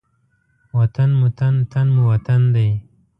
وطن مو تن، تن مو وطن دی.